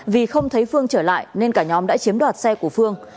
vì không thấy phương trở lại nên cả nhóm đã chiếm đoạt xe của phương